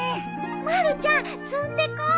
まるちゃん摘んでこう。